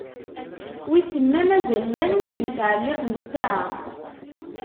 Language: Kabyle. Wissen ma mazal llan wid yettɛelliqen ssaɛa?